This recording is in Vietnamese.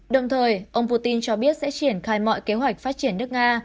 đồng thời ông putin cho biết sẽ triển khai mọi kế hoạch phát triển nước nga